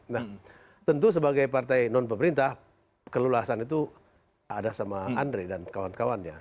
nah tentu sebagai partai non pemerintah kelulusan itu ada sama andre dan kawan kawannya